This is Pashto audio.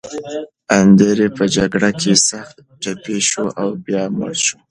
اندرې په جګړه کې سخت ټپي شو او بیا مړ شو.